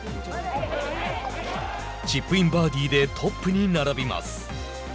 チップインバーディーでトップに並びます。